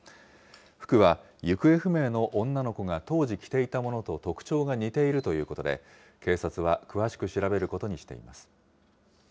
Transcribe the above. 服は、行方不明の女の子が当時着ていたものと特徴が似ているということで、警察は詳しく調べることにしています。